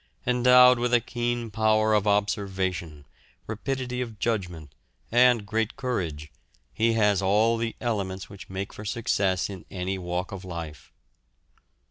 Endowed with a keen power of observation, rapidity of judgment, and great courage, he has all the elements which make for success in any walk in life.